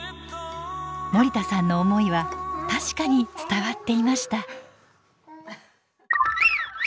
森田さんの思いは確かに伝わっていました。